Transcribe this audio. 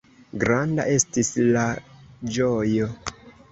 Granda estis la ĝojo!